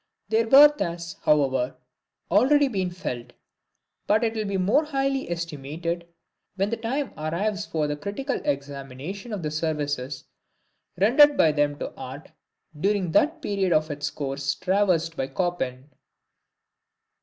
Their worth has, however, already been felt; but it will be more highly estimated when the time arrives for a critical examination of the services rendered by them to art during that period of its course traversed by Chopin.